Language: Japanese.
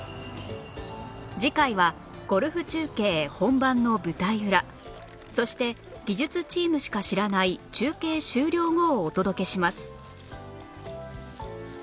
次回はゴルフ中継本番の舞台裏そして技術チームしか知らない中継終了後をお届けします